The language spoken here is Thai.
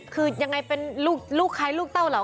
คือยังไงเป็นลูกใครลูกเต้าเหรอ